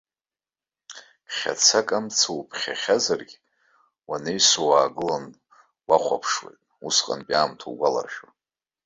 Хьацак амҵа уԥхьахьазаргьы, уанаҩсуа уаагылан уахәаԥшуеит, усҟантәи аамҭа угәаларшәо.